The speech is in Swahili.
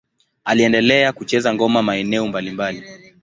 Aliendelea kucheza ngoma maeneo mbalimbali.